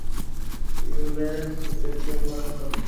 ইউরে, ভূতের চেয়েও ভয়ংকর।